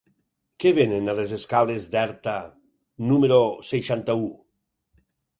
Què venen a les escales d'Erta número seixanta-u?